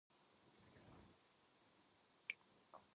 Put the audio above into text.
뱀이 여자에게 이르되 너희가 결코 죽지 아니하리라